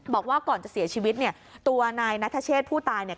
บอกว่าก่อนจะเสียชีวิตเนี่ยตัวนายนัทเชษผู้ตายเนี่ย